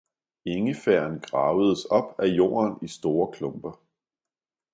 Ingefæren gravedes op ad jorden i store klumper.